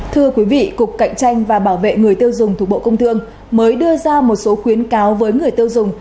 thưa quý vị cục cạnh tranh và bảo vệ người tiêu dùng thuộc bộ công thương mới đưa ra một số khuyến cáo với người tiêu dùng